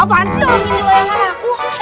apaan sih orang ini layangkan aku